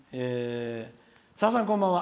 「さださん、こんばんは。